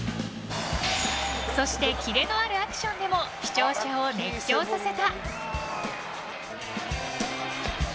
そしてキレのあるアクションでも視聴者を熱狂させた。